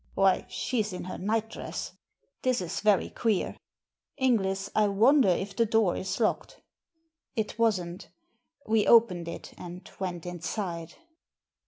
'Why, she's in her nightdress. This is very queer. Inglis, I wonder if the door is locked.' It wasn't We opened it and went inside."